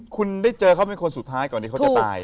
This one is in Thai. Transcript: คุณได้เจอเขาเป็นคนสุดท้ายก่อนที่เขาจะตาย